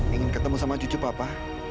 ingin ketemu sama cucu papa